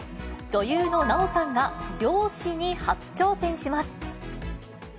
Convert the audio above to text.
女優の奈緒さんが、漁師に初挑戦します。